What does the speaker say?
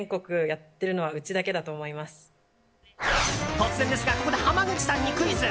突然ですがここで濱口さんにクイズ！